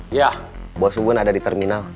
iya bos ubon ada di terminal